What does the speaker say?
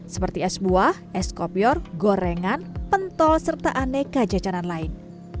seperti es buah es kopior gorengan pentol serta aneka jajanan lain